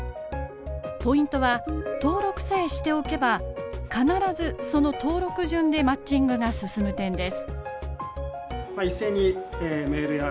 ポイントは登録さえしておけば必ずその登録順でマッチングが進む点です。